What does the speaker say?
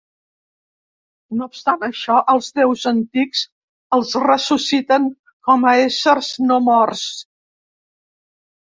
No obstant això, els Déus Antics els ressusciten com a éssers no morts.